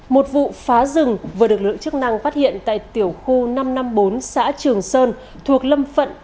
một vụ phá rừng vừa được lực lượng chức năng phát hiện tại tiểu khu năm trăm năm mươi bốn xã trường sơn thuộc lâm phận